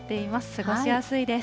過ごしやすいです。